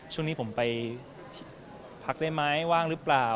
ช่วงนี้ผมไปพักได้ไหมว่างหรือเปล่า